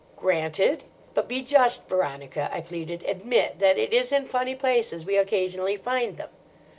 "Granted. But be just, Veronica," I pleaded. "Admit that it is in funny places we occasionally find them.